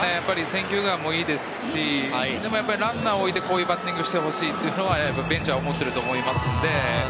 選球眼もいいですし、でもランナーを置いて、こういうバッティングをしてほしいとベンチは思っていると思います。